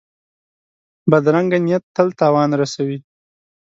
بدرنګه نیت تل تاوان رسوي